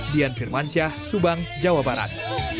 dian firmansyah subang jawa barat